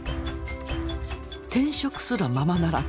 転職すらままならず。